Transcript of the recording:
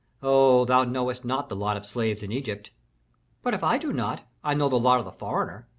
Oh, thou knowest not the lot of slaves in Egypt." "But if I do not, I know the lot of the foreigner.